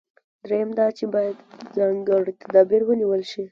درېیم دا چې باید ځانګړي تدابیر ونیول شي.